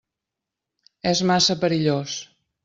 És massa perillós.